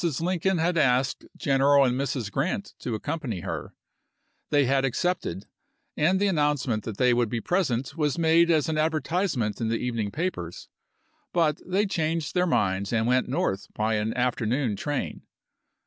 Lincoln had asked General and Mrs. Grant to accompany her; they had accepted, and the an nouncement that they would be present was made as an advertisement in the evening papers ; but they changed their minds and went North by an afternoon train.